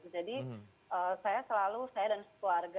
jadi saya selalu saya dan keluarga